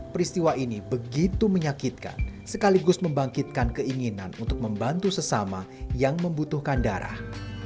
peristiwa ini begitu menyakitkan sekaligus membangkitkan keinginan untuk membantu sesama yang membutuhkan darah